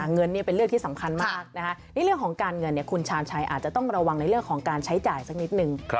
เงินเป็นเรื่องที่สำคัญมากนะคะนี่เรื่องของการเงินคุณชาญชัยอาจจะต้องระวังในเรื่องของการใช้จ่ายสักนิดนึง